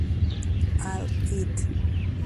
All It